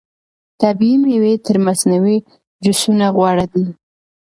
طبیعي مېوې تر مصنوعي جوسونو غوره دي.